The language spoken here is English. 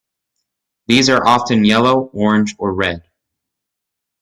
These are often yellow, orange or red.